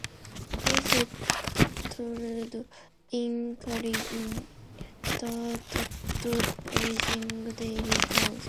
They settled in Kalimpong and started raising dairy cows.